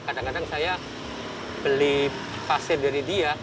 kadang kadang saya beli pasir dari dia